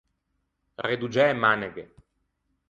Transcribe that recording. Redoggiâ e maneghe.